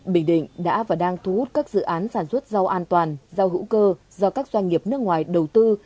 bình định đã và đang thu hút các dự án sản xuất rau an toàn rau hữu cơ do các doanh nghiệp nước ngoài đầu tư